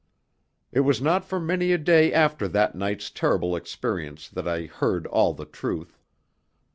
It was not for many a day after that night's terrible experience that I heard all the truth.